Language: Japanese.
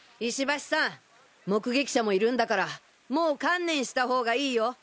石橋さん目撃者もいるんだからもう観念した方がいいよ。